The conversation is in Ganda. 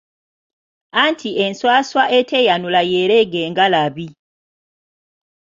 Anti enswaswa eteeyanula y’ereega engalabi.